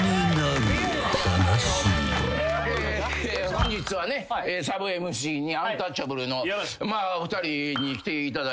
本日はサブＭＣにアンタッチャブルのお二人に来ていただいて。